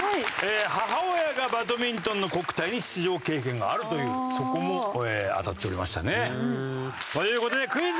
母親がバドミントンの国体に出場経験があるというそこも当たっておりましたね。という事でクイズ！